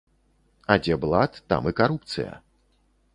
А дзе блат, там і карупцыя.